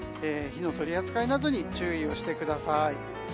火の取り扱いなどに注意してください。